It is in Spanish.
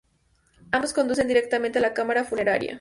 Ambos conducen directamente a la cámara funeraria.